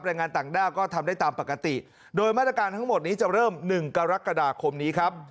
แรงงานต่างด้าวก็ทำได้ตามปกติโดยมาตรการทั้งหมดนี้จะเริ่ม๑กรกฎาคมนี้ครับ